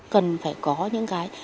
cần phải có những cái